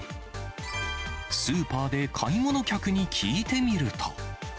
スーパーで買い物客に聞いてみると。